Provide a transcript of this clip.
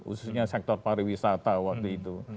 khususnya sektor pariwisata waktu itu